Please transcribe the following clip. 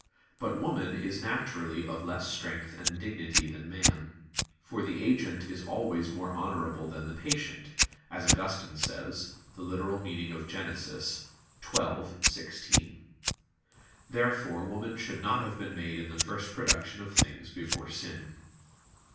But woman is naturally of less strength and dignity than man; "for the agent is always more honorable than the patient," as Augustine says (Gen. ad lit. xii, 16). Therefore woman should not have been made in the first production of things before sin.